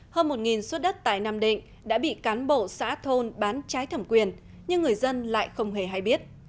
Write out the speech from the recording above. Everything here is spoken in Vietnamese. hơn một suất đất tại nam định đã bị cán bộ xã thôn bán trái thẩm quyền nhưng người dân lại không hề hay biết